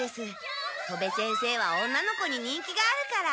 戸部先生は女の子に人気があるから。